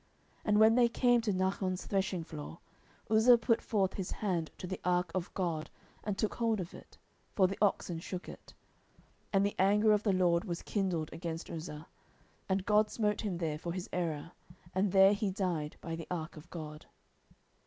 10:006:006 And when they came to Nachon's threshingfloor, Uzzah put forth his hand to the ark of God, and took hold of it; for the oxen shook it. 10:006:007 And the anger of the LORD was kindled against Uzzah; and God smote him there for his error; and there he died by the ark of God.